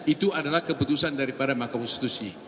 itu adalah keputusan daripada mahkamah konstitusi